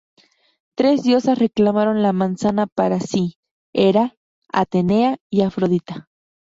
Tres diosas reclamaron la manzana para sí: Hera, Atenea y Afrodita.